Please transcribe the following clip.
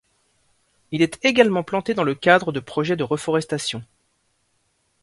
Il est également planté dans le cadre de projets de reforestation.